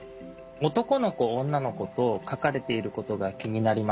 「おとこのこ」「おんなのこ」と書かれていることが気になります。